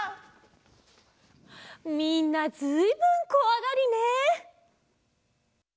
みんなずいぶんこわがりね。